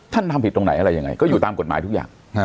ท่านทำผิดอะไรอยุ่อยู่กันตามกฎหมายทุกอย่าง